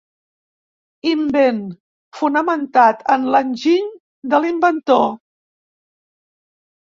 Invent fonamentat en l'enginy de l'inventor.